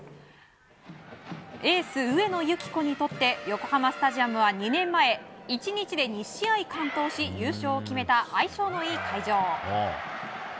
エース、上野由岐子にとって横浜スタジアムは２年前１日で２試合完投し優勝を決めた相性のいい球場。